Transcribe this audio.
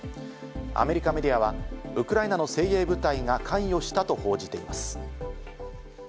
アメリカメディアはウクライナの精鋭部隊が関与したと報じています。